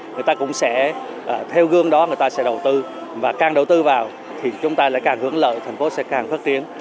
người ta cũng sẽ theo gương đó đầu tư và càng đầu tư vào thì chúng ta lại càng hưởng lợi thành phố sẽ càng phát triển